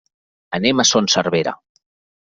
Anem a Son Servera.